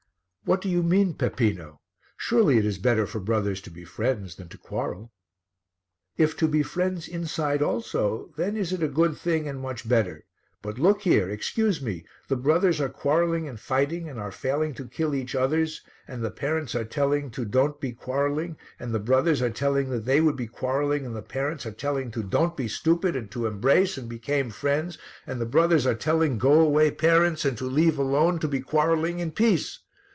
"What do you mean, Peppino? Surely it is better for brothers to be friends than to quarrel?" "If to be friends inside also, then is it a good thing and much better; but look here, excuse me; the brothers are quarrelling and fighting and are failing to kill each others and the parents are telling to don't be quarrelling and the brothers are telling that they would be quarrelling and the parents are telling to don't be stupid and to embrace and became friends and the brothers are telling, Go away, parents, and to leave alone to be quarrelling in peace.